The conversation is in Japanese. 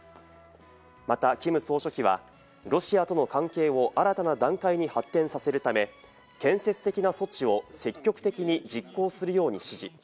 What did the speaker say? また、キム総書記はロシアとの関係を新たな段階に発展させるため建設的な措置を積極的に実行するように指示。